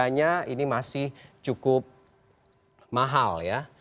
harganya ini masih cukup mahal ya